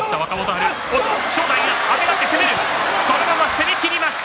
攻めきりました。